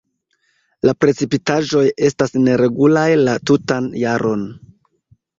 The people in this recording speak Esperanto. La precipitaĵoj estas neregulaj la tutan jaron.